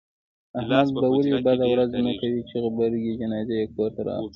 احمد به ولې بده ورځ نه کوي، چې غبرگې جنازې یې کورته راغلې.